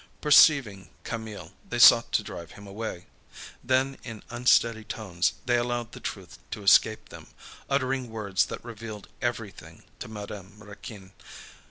Perceiving Camille, they sought to drive him away. Then, in unsteady tones, they allowed the truth to escape them, uttering words that revealed everything to Madame Raquin.